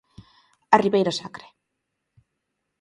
A Ribeira Sacra.